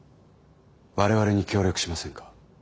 我々に協力しませんか？